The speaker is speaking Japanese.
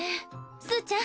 すうちゃん。